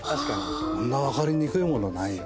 あんな分かりにくいものないよ。